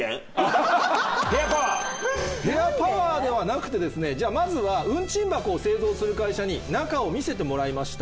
ヘアパワーではなくてまずは運賃箱を製造する会社に中を見せてもらいました。